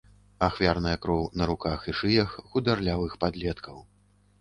Ахвярная кроў на руках і шыях хударлявых падлеткаў.